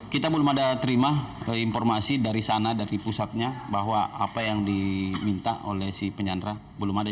kita belum ada terima informasi dari sana dari pusatnya bahwa apa yang diminta oleh si penyandra belum ada